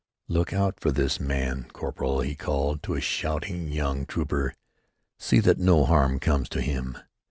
"Look out for this man, corporal!" he called, to a shouting young trooper. "See that no harm comes to him."